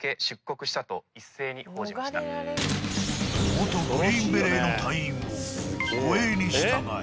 元グリーンベレーの隊員を護衛に従え。